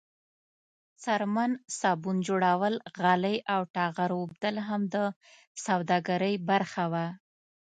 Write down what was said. څرمن، صابون جوړول، غالۍ او ټغر اوبدل هم د سوداګرۍ برخه وه.